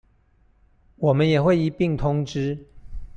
我們也會一併通知